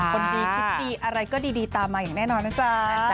คนดีคิดดีอะไรก็ดีตามมาอย่างแน่นอนนะจ๊ะ